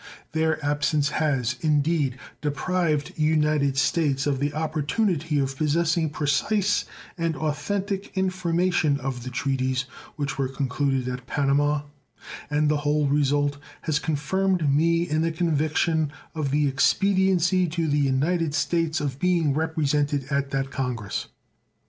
Their absence has, indeed, deprived United States of the opportunity of possessing precise and authentic information of the treaties which were concluded at Panama; and the whole result has confirmed me in the conviction of the expediency to the United States of being represented at the congress.